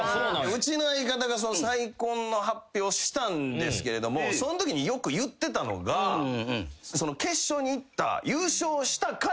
うちの相方が再婚の発表したんですけれどもそのときによく言ってたのが「決勝にいった」